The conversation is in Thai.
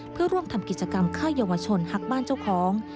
เพื่อร่วมทำกิจกรรมฆ่าเยาวชนหักบ้านเจ้าของ